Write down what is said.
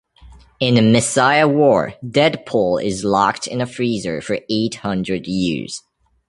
In Messiah War Deadpool is locked in a freezer for eight hundred years.